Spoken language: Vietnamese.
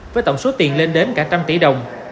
với tổng số tiền lên đến cả trăm tỷ đồng